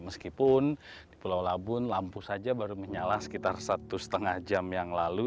meskipun di pulau labun lampu saja baru menyala sekitar satu lima jam yang lalu